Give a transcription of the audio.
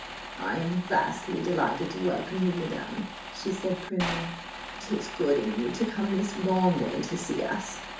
"I am vastly delighted to welcome you, madam," she said primly. "'Tis good in you to come this long way to see us."